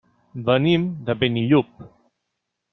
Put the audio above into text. Venim de Benillup.